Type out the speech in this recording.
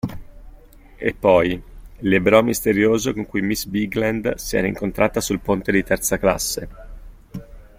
E poi: l'ebreo misterioso con cui miss Bigland si era incontrata sul ponte di terza classe.